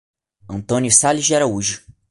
Antônio Sales de Araújo